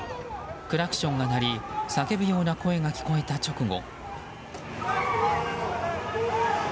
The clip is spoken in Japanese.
クラクションが鳴り叫ぶような声が聞こえた直後。